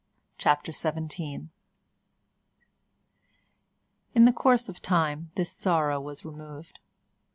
CHAPTER XVII In the course of time this sorrow was removed.